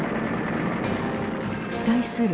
対する